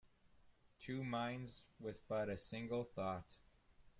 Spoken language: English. Two minds with but a single thought.